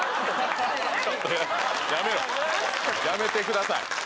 やめろやめてください